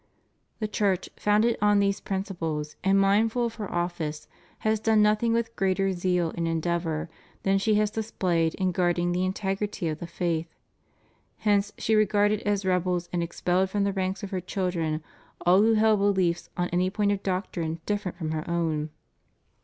^ The Church, founded on these principles and mindful of her office, has done nothing with greater zeal and en deavor than she has displayed in guarding the integrity of the faith. Hence she regarded as rebels and expelled from the ranks of her children all who held behefs on any point of doctrine different from her own.